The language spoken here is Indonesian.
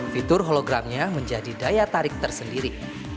fitur hologramnya menjadi daya tarik tersendiri